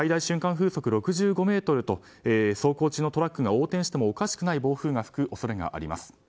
風速６５メートルと走行中のトラックが横転してもおかしくない暴風が吹く恐れがあります。